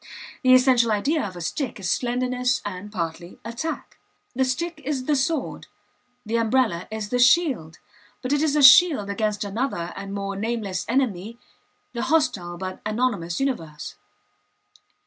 The essential idea of a stick is slenderness and, partly, attack. The stick is the sword, the umbrella is the shield, but it is a shield against another and more nameless enemy the hostile but anonymous universe.